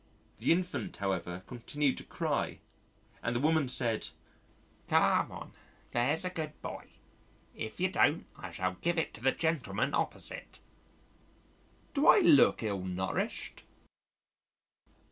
The infant, however, continued to cry and the woman said, "Come on, there's a good boy if you don't, I shall give it to the gentleman opposite." Do I look ill nourished?